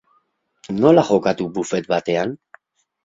Nola jokatu buffet batean?